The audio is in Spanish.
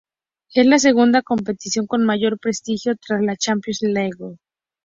Es la segunda competición con mayor prestigio tras la Champions League.